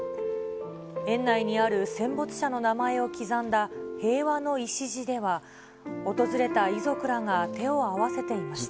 園内にある戦没者の名前を刻んだ平和の礎では、訪れた遺族らが手を合わせていました。